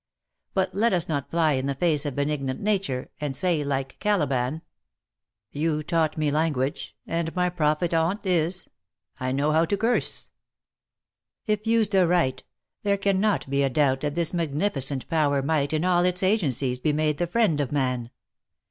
But let us not fly in the face of benignant nature, and say like Caliban, " You taught me language ; and my profit on't Is, I know how to curse." " If used aright the recannot be a doubt that this magnificent power might, in all its agencies, be made the friend of man.